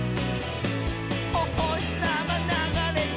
「おほしさまながれて」